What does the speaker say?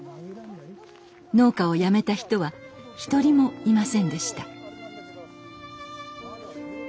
農家をやめた人は一人もいませんでした。